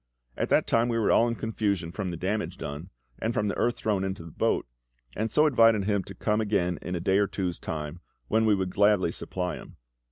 At that time we were all in confusion from the damage done, and from the earth thrown into the boat, and so invited him to come again in a day or two's time, when we would gladly supply him.